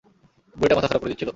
বুড়িটা মাথা খারাপ করে দিচ্ছিলো।